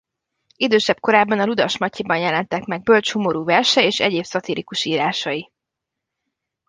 Idősebb korában a Ludas Matyiban jelentek meg bölcs humorú versei és egyéb szatirikus írásai.